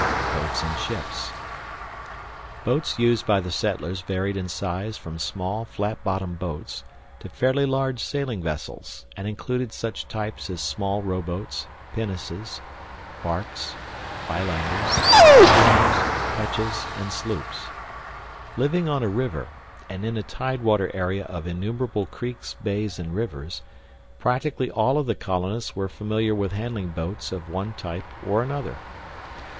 BOATS AND SHIPS Boats used by the settlers varied in size from small flat bottom boats to fairly large sailing vessels, and included such types as small rowboats, pinnaces, barks, bilanders, schooners, ketches, and sloops. Living on a river, and in a tidewater area of innumerable creeks, bays, and rivers, practically all of the colonists were familiar with handling boats of one type or another.